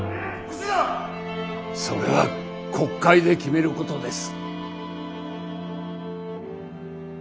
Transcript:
それは国会で決めることです。